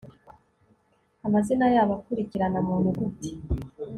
amazina yabo akurikirana mu nyuguti